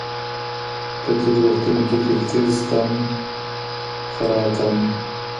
په تېرو وختونو کي فکري زغم خورا کم وو.